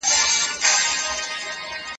تېر کال ما د ژوند سختې تجربې تجربه کړې وې.